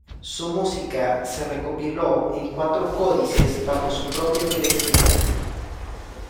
Su música se recopiló en cuatro códices bajo su propia dirección.